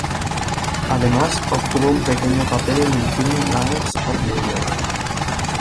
Además, obtuvo un pequeño papel en el film "Gangs of New York".